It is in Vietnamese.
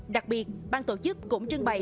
đặc biệt bang tổ chức cũng trưng bày